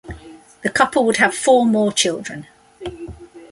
The couple would have four more children.